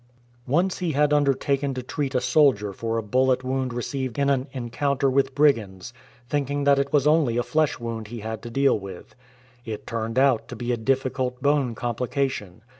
Once he had undertaken to treat a soldier for a bullet wound received in an encounter with brigands, thinking that it was only a flesh wound he had to deal with. It turned out to be a difficult bone complication.